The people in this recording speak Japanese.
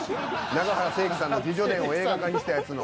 長原成樹さんの自叙伝を映画化にしたやつの。